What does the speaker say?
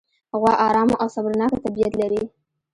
غوا ارامه او صبرناکه طبیعت لري.